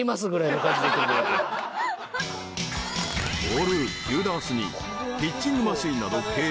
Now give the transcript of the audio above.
［ボール９ダースにピッチングマシンなど計１４点］